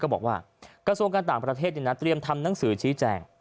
บอกว่ากระทรวงการต่างประเทศเตรียมทำหนังสือชี้แจง